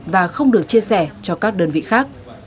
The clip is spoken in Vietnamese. và không được chia sẻ cho các đơn vị khác